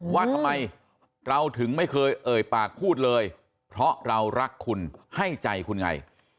ว่าทำไมเราถึงไม่เคยเอ่ยปากพูดเลยเพราะเรารักคุณให้ใจคุณไง